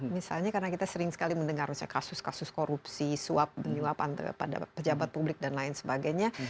misalnya karena kita sering sekali mendengar misalnya kasus kasus korupsi suap penyuapan kepada pejabat publik dan lain sebagainya